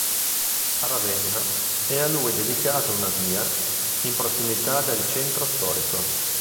A Ravenna è a lui dedicata una via in prossimità del centro storico.